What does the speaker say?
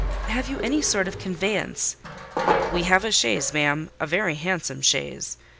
"Have you any sort of conveyance?" "We have a chaise, ma'am, a very handsome chaise."